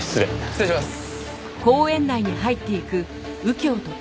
失礼します。